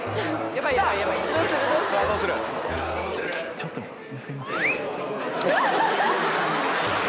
ちょっとすいません